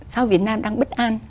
sao việt nam đang bất an